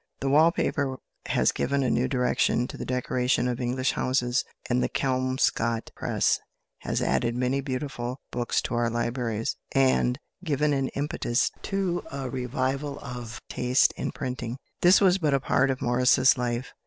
The wall paper has given a new direction to the decoration of English houses, and the Kelmscott Press has added many beautiful books to our libraries, and given an impetus to a revival of taste in printing. This was but a part of Morris's life.